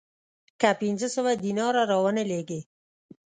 که پنځه سوه دیناره را ونه لېږې